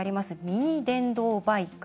ミニ電動バイク。